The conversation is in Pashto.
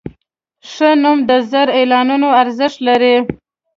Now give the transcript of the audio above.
ښه نوم د زر اعلانونو ارزښت لري.